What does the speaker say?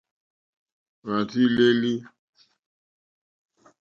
Hwá rzí lélí.